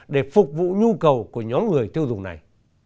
để phục vụ nhu cầu của nhóm người tiêu dùng này